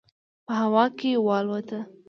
په هوا کې والوته.